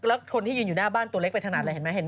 แล้วคนที่ยืนอยู่หน้าบ้านตัวเล็กไปขนาดอะไรเห็นไหม